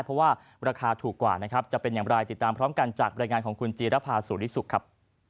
เพราะว่าราคาถูกกว่านะครับจะเป็นอย่างไรติดตามพร้อมกันจากบรรยายงานของคุณจีรภาสุริสุขครับ